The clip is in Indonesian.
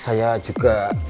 saya juga kaget pak bos